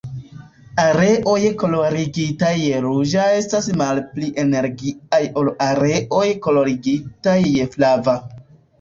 Areoj kolorigitaj je ruĝa estas malpli energiaj ol areoj kolorigitaj je flava.